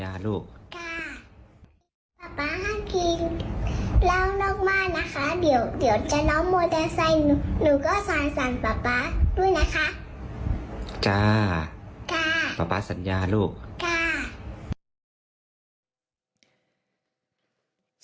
นะคะเดี๋ยวเดี๋ยวจะล้อมโมเตอร์ไซน์หนูหนูก็สั่นสั่นป๊าป๊าด้วยนะคะจ้าป๊าป๊าสัญญาลูกกล้า